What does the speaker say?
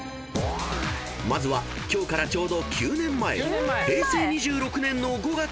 ［まずは今日からちょうど９年前］